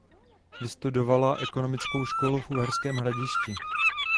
Vystudovala ekonomickou školu v Uherském Hradišti.